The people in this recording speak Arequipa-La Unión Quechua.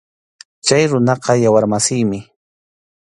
Chay runaqa yawar masiymi.